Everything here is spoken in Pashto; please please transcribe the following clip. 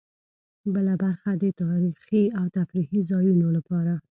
بله برخه د تاریخي او تفریحي ځایونو لپاره.